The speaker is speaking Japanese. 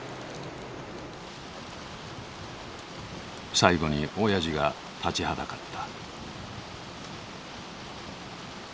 最後におやじが立ちはだかった。